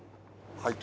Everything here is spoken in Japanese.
はい。